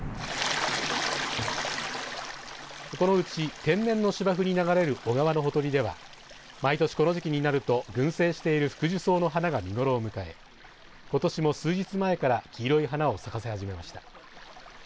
このうち天然の芝生に流れる小川のほとりでは毎年この時期になると群生しているフクジュソウの花が見頃を迎え、ことしも数日前から黄色い花を咲かせ始めました。